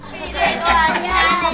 kepedas orang kan